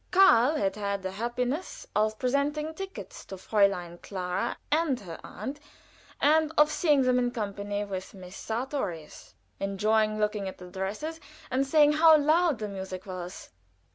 Karl had had the happiness of presenting tickets to Fräulein Clara and her aunt, and of seeing them, in company with Miss Sartorius, enjoying looking at the dresses, and saying how loud the music was.